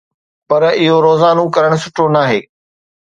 پر اهو روزانو ڪرڻ سٺو ناهي.